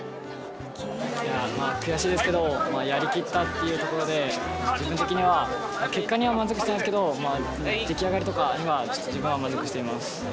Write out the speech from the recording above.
いやまあ悔しいですけどやりきったっていうところで自分的には結果には満足してないですけどまあ出来上がりとかには自分は満足しています。